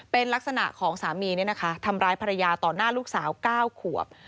เป็นลักษณะของสามีทำร้ายภรรยาต่อหน้าลูกสาว๙ขวบ